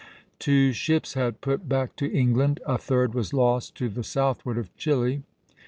Two ships had put back to England, a third was lost to the southward of Chiloe.